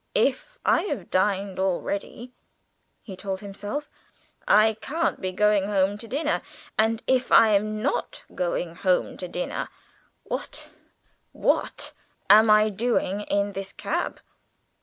"If I have dined already," he told himself, "I can't be going home to dinner; and if I am not going home to dinner, what what am I doing in this cab?"